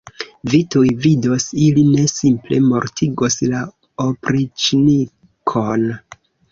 Vi tuj vidos, ili ne simple mortigos la opriĉnikon.